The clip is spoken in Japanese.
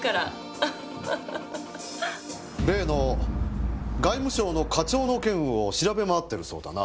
例の外務省の課長の件を調べ回ってるそうだな。